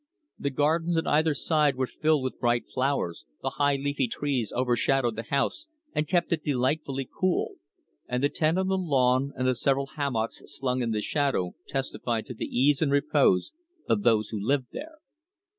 The gardens on either side were filled with bright flowers, the high leafy trees overshadowed the house and kept it delightfully cool, and the tent on the lawn and the several hammocks slung in the shadow testified to the ease and repose of those who lived there.